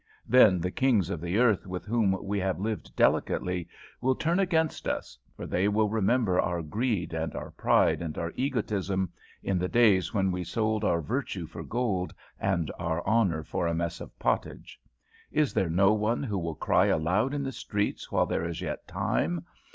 Then the kings of the earth with whom we have lived delicately will turn against us, for they will remember our greed and our pride and our egotism, in the days when we sold our virtue for gold, and our honour for a mess of pottage. Is there no one who will cry aloud in the streets while there is yet time?